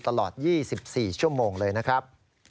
ตลอด๒๔ชั่วโมงเลยนะครับ